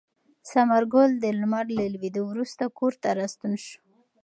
ثمر ګل د لمر له لوېدو وروسته کور ته راستون شو.